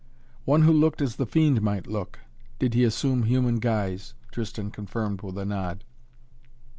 "One who looked as the Fiend might look, did he assume human guise," Tristan confirmed with a nod.